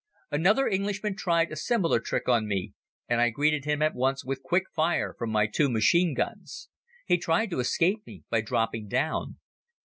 Another Englishman tried a similar trick on me and I greeted him at once with quick fire from my two machine guns. He tried to escape me by dropping down.